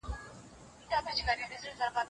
انلاين زده کړي د سفر وخت کم کړ.